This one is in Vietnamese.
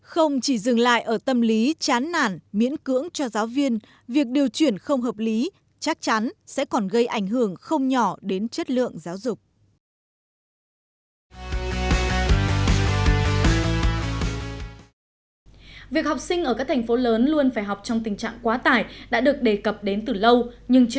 không chỉ dừng lại ở tâm lý chán nản miễn cưỡng cho giáo viên việc điều chuyển không hợp lý chắc chắn sẽ còn gây ảnh hưởng không nhỏ đến chất lượng giáo dục